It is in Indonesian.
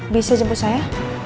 bisa jemput saya